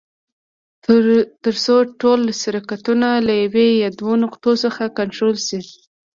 تر څو ټول سرکټونه له یوې یا دوو نقطو څخه کنټرول شي.